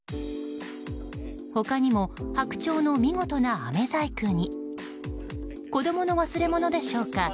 他にも白鳥の見事なあめ細工に子供の忘れ物でしょうか。